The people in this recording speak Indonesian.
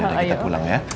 ya udah kita pulang ya